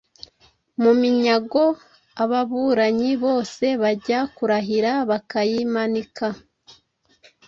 mu minyago ababuranyi bose bajya kurahira bakayimanika